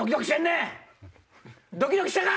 ドキドキしたな！